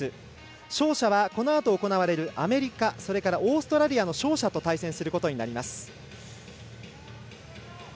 勝者はこのあと行われるアメリカそれからオーストラリアの勝者と対戦することになります。